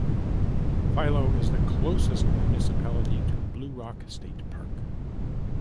Philo is the closest municipality to Blue Rock State Park.